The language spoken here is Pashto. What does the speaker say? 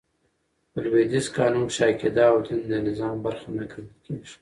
په لوېدیځ قانون کښي عقیده او دين د نظام برخه نه ګڼل کیږي.